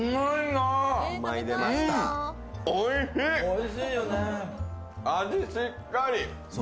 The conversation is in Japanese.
味しっかり。